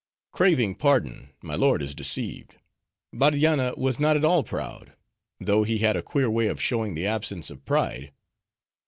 "Craving pardon, my lord is deceived. Bardianna was not at all proud; though he had a queer way of showing the absence of pride.